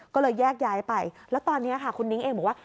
ก็เลยแยกย้ายไปแล้วตอนนี้ค่ะคุณนิ้งเองบอกว่า